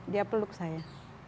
dia peluk saya